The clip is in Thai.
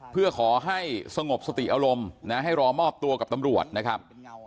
เพื่อขอให้สงบสติอารมณ์นะให้รอมอบตัวกับตำรวจนะครับ